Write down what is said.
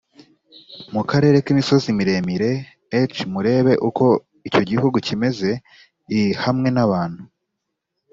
mu karere k imisozi miremire h murebe uko icyo gihugu kimeze i hamwe n abantu